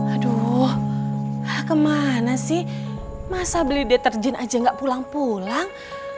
aduh kemana sih masa beli deterjen aja gak pulang pulang